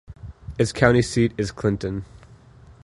Its county seat is Clinton.